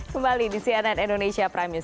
kembali di cnn indonesia prime news